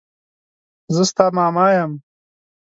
زه ستا ماما يم.